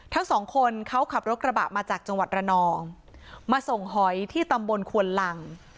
ทั้งสองคนเขาขับรถกระบะมาจากจังหวัดระนองมาส่งหอยที่ตำบลควนลัง